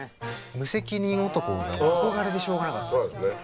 無責任男が憧れでしょうがなかったんですよ。